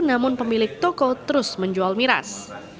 namun pemilik toko terus menjual miras